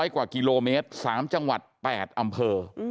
กว่ากิโลเมตร๓จังหวัด๘อำเภอ